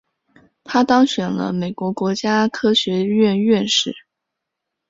他当选了美国国家科学院院士。